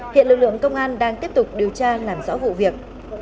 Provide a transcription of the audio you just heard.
hiện lực lượng công an đang tiếp tục điều tra làm rõ vụ việc